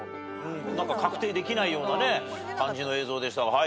確定できないような感じの映像でした。